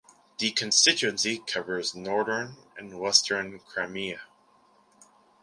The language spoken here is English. The constituency covers Northern and Western Crimea.